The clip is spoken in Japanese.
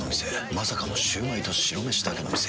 まさかのシュウマイと白めしだけの店。